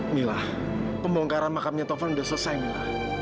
mila pembongkaran makamnya tovan udah selesai mila